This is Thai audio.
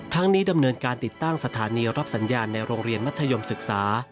นี้ดำเนินการติดตั้งสถานีรับสัญญาณในโรงเรียนมัธยมศึกษา